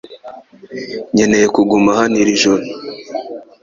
Nkeneye kuguma hano iri joro .